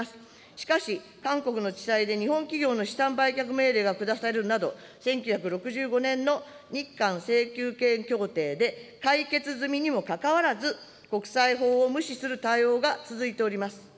しかし韓国の地裁で日本企業の資産売却命令が下されるなど、１９６５年の日韓請求権協定で解決済みにもかかわらず、国際法を無視する対応が続いております。